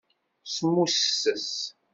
Smusses.